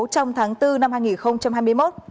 trong tháng bốn năm hai nghìn hai mươi một